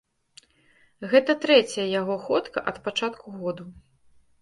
Гэта трэцяя яго ходка ад пачатку году.